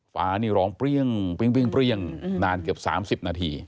ฟ้านี่ร้องเปรี้ยงนานเกือบ๓๐นาที